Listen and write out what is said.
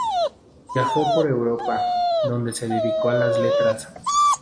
Viajó por Europa, donde se dedicó a las Letras.